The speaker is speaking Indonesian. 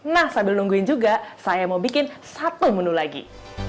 nah sambil nungguin juga saya mau bikin satu menu lagi